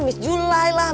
miss julai lah